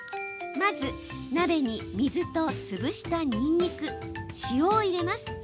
まず、鍋に水と潰したにんにく塩を入れます。